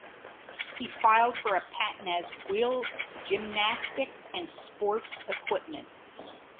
He filed for a patent as "wheel-gymnastic and sports equipment".